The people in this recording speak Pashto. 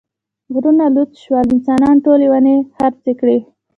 غرونه لوڅ شول، انسانانو ټولې ونې خرڅې کړې.